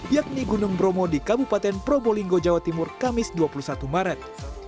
yakni gunung bromo di kabupaten probolinggo jawa timur kamis dua puluh satu maret